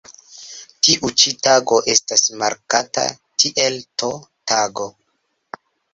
Tiu ĉi tago estas markata kiel T-Tago.